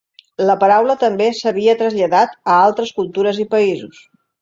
La paraula també s'havia traslladat a altres cultures i països.